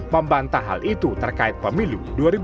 membantah hal itu terkait pemilu dua ribu dua puluh